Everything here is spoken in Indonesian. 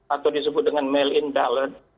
atau disebut dengan mail in ballot